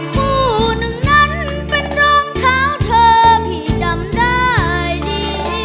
ผู้หนึ่งนั้นเป็นรองเท้าเธอพี่จำได้ดี